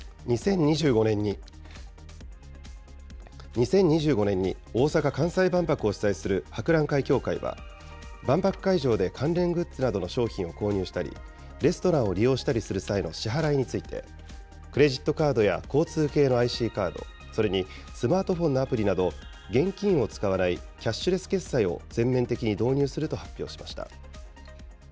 ２０２５年に大阪・関西万博を主催する博覧会協会は、万博会場で関連グッズなどの商品を購入したり、レストランを利用したりする際の支払いについて、クレジットカードや交通系のＩＣカード、それにスマートフォンのアプリなど、現金を使わないキャッシュレス決済を全面的に導入すると発表しました。